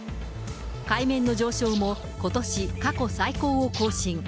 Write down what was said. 海面の上昇も、ことし過去最高を更新。